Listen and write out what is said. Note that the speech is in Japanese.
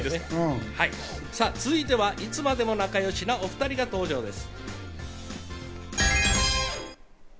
さぁ、続いてはいつまでも仲よしの２人が登場です。